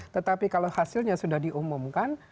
tetapi kalau hasilnya sudah diumumkan